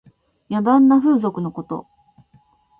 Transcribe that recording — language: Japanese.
野蛮な風俗のこと。